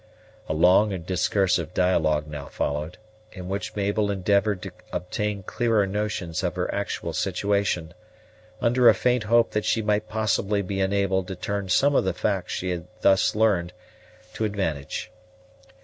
A long and discursive dialogue now followed, in which Mabel endeavored to obtain clearer notions of her actual situation, under a faint hope that she might possibly be enabled to turn some of the facts she thus learned to advantage.